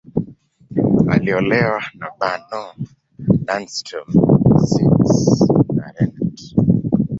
Aliolewa na Bernow, Lindström, Ziems, na Renat.